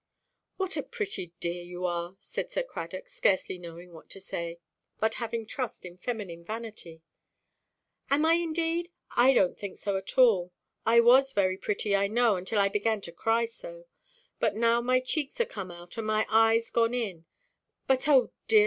"What a pretty dear you are!" said Sir Cradock, scarcely knowing what to say, but having trust in feminine vanity. "Am I indeed? I donʼt think so at all. I was very pretty, I know, until I began to cry so. But now my cheeks are come out, and my eyes gone in; but, oh dear!